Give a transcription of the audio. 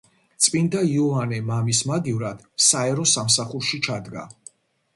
წმინდა იოანე მამის მაგივრად საერო სამსახურში ჩადგა.